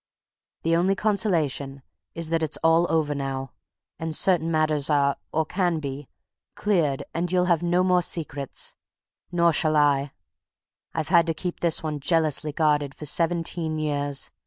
"The only consolation is that it's all over now, and certain matters are, or can be, cleared and you'll have no more secrets. Nor shall I! I've had to keep this one jealously guarded for seventeen years!